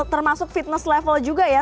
termasuk fitness level juga ya